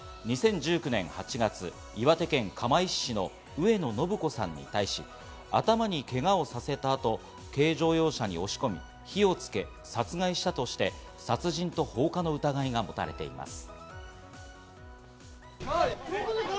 ２０１９年８月、岩手県釜石市の上野誠子さんに対し頭にけがをさせた後、軽乗用車に押し込み、火をつけ殺害したとして、殺人と放火の疑いが持たれています。